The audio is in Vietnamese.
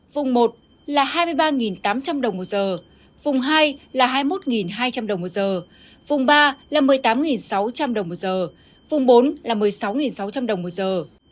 vùng một là hai mươi ba tám trăm linh đồng một giờ vùng hai là hai mươi một hai trăm linh đồng một giờ vùng ba là một mươi tám sáu trăm linh đồng một giờ vùng bốn là một mươi sáu sáu trăm linh đồng một giờ